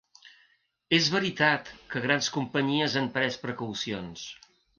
És veritat que grans companyies han pres precaucions.